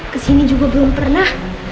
kesini juga belum pernah